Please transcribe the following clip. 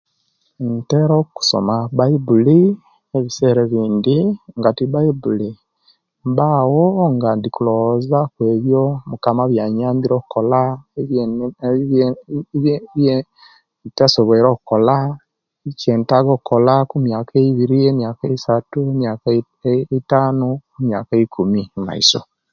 Ntera okusoma baibuli ebisigaire ebindi nga tibaibuli mbawo ga ndikulowoza ebyo mukama ebiyambire okola biyebiye entasobwoire okola ekyentaka okola kumyaka eibiri kumyaka eisatu emyaka eitanu emyaka eikumi omaiso